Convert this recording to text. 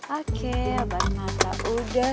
oke abang mata udah